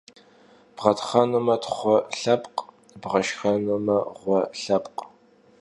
Bğetxhuenume, txhue lhepkh, bğejjenume, ğue lhepkh.